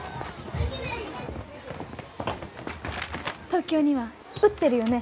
東京には売ってるよね